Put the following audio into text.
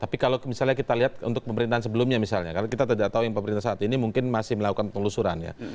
tapi kalau misalnya kita lihat untuk pemerintahan sebelumnya misalnya karena kita tidak tahu yang pemerintah saat ini mungkin masih melakukan penelusuran ya